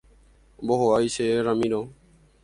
Ombohovái chéve Ramiro.